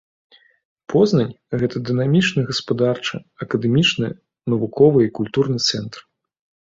Познань гэта дынамічны гаспадарчы, акадэмічны, навуковы і культурны цэнтр.